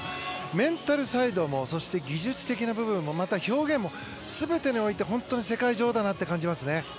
メンタルサイドも技術的な部分もまた、表現も全てにおいて本当に世界女王だなと感じます。